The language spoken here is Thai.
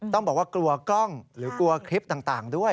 ต้องบอกว่ากลัวกล้องหรือกลัวคลิปต่างด้วย